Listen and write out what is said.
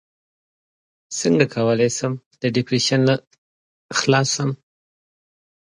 څنګه کولی شم د ډیپریشن نه خلاص شم